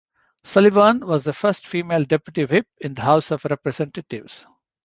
Sullivan was the first female Deputy Whip in the House of Representatives.